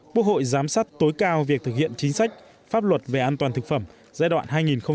quốc hội giám sát tối cao việc thực hiện chính sách pháp luật về an toàn thực phẩm giai đoạn hai nghìn một mươi sáu hai nghìn hai mươi